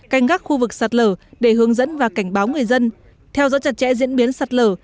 canh gác khu vực sạt lở để hướng dẫn và cảnh báo người dân theo dõi chặt chẽ diễn biến sạt lở